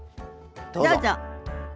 どうぞ。